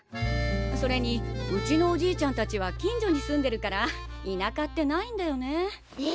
それにうちのおじいちゃんたちは近所に住んでるから田舎ってないんだよねえ。